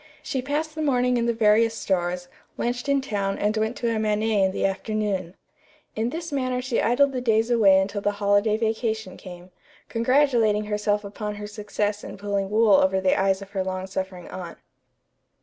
She passed the morning in the various stores, lunched in town and went to a matinée in the afternoon. In this manner she idled the days away until the holiday vacation came, congratulating herself upon her success in pulling wool over the eyes of her long suffering aunt.